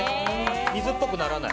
水っぽくならない。